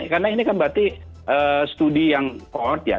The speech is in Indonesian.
karena ini kan berarti studi yang kohort ya